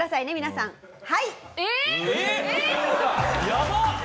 やばっ！